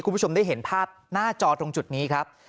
คุณผู้ชมได้เห็นภาพหน้าจอตรงจุดนี้ครับ